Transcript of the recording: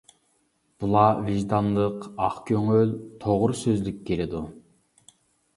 بۇلار ۋىجدانلىق، ئاق كۆڭۈل، توغرا سۆزلۈك كېلىدۇ.